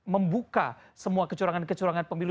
membuka semua kecurangan kecurangan pemilu